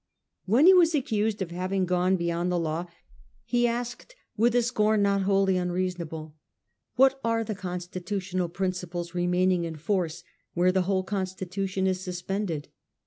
When he was accused of having gone beyond the law, he asked with a scorn not wholly unreasonable: 'What are the constitutional principles remaining in force where the whole constitution is suspended